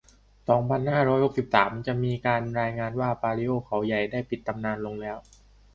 สองพันห้าร้อยหกสิบสาม จะมีการรายงานว่า ปาลิโอ เขาใหญ่ ได้ปิดตำนานลงแล้ว